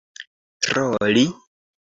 troli